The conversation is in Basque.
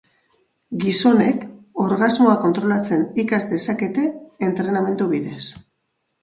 Gizonek orgasmoa kontrolatzen ikas dezakete entrenamendu bidez.